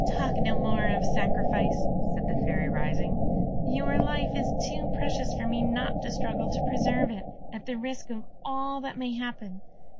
"Talk no more of sacrifice," said the Fairy, rising; "your life is too precious for me not to struggle to preserve it, at the risk of all that may happen.